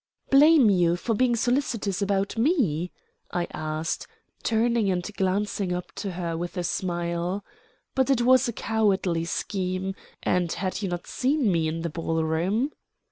"Blame you for being solicitous about me?" I asked, turning and glancing up to her with a smile. "But it was a cowardly scheme. And had you not seen me in the ball room?"